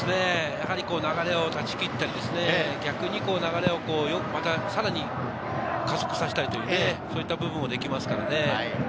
流れを断ち切って、逆に流れを、さらに加速させたり、そういった部分もできますからね。